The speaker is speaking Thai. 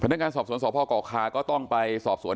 พนักการสอบส่วนสศกคก็ต้องไปสอบส่วน